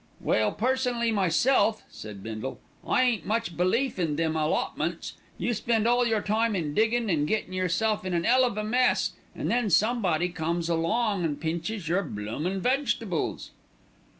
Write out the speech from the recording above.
"Well, personally myself," said Bindle, "I ain't much belief in them allotments. You spend all your time in diggin', gettin' yourself in an 'ell of a mess, an' then somebody comes along an' pinches your bloomin' vegetables."